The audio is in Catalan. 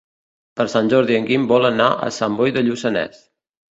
Per Sant Jordi en Guim vol anar a Sant Boi de Lluçanès.